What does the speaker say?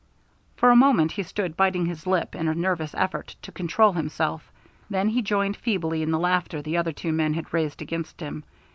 For a moment he stood biting his lip in a nervous effort to control himself, then he joined feebly in the laughter the other two men had raised against him.